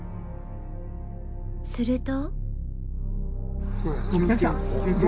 すると。